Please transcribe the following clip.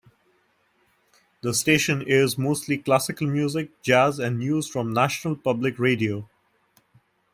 The station airs mostly classical music, jazz and news from National Public Radio.